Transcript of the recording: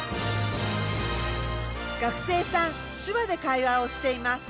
学生さん手話で会話をしています。